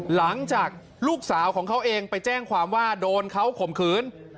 หลังจากลูกสาวของเขาเองไปแจ้งความว่าโดนเขาข่มขืน